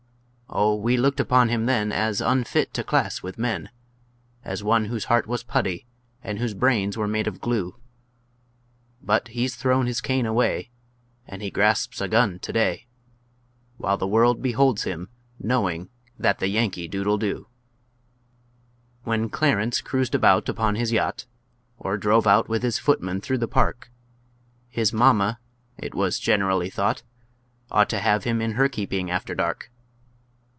Oh, we looked upon him then As unfit to class with men, As one whose heart was putty, and whose brains were made of glue; But he's thrown his cane away, And he grasps a gun to day, While the world beholds him, knowing that the Yankee dude'll do. When Clarence cruised about upon his yacht, Or drove out with his footman through the park, His mamma, it was generally thought, Ought to have him in her keeping after dark!